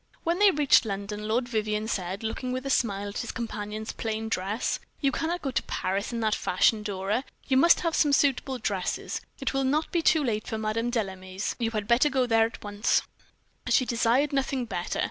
When they reached London, Lord Vivianne said, looking with a smile at his companion's plain dress: "You cannot go to Paris in that fashion, Dora. You must have some suitable dresses. It will not be too late for Madame Delame's; you had better go there at once." She desired nothing better.